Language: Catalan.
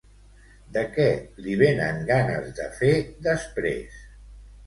De què li venen ganes de fer després?